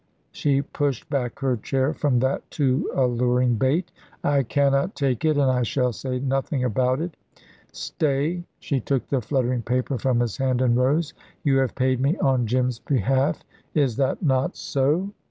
She pushed back her chair from that too alluring bait. "I cannot take it, and I shall say nothing about it. Stay" she took the fluttering paper from his hand and rose. "You have paid me on Jim's behalf is that not so?"